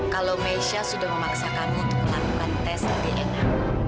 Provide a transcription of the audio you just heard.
kalau mesha sudah memaksakanmu untuk melakukan tes dna